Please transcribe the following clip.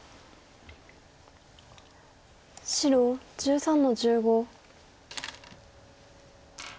白１３の十五。